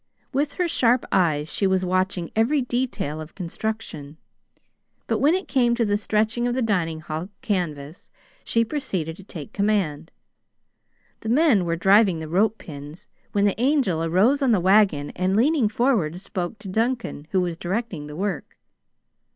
With her sharp eyes she was watching every detail of construction; but when it came to the stretching of the dining hall canvas she proceeded to take command. The men were driving the rope pins, when the Angel arose on the wagon and, leaning forward, spoke to Duncan, who was directing the work.